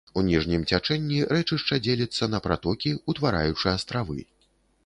У ніжнім цячэнні рэчышча дзеліцца на пратокі, утвараючы астравы.